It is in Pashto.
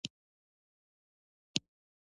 انا د روزنې توغ لري